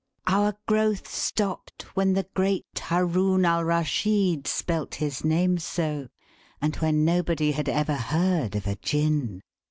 Our growth stopped, when the great Haroun Alraschid spelt his name so, and when nobody had ever heard of a Jin.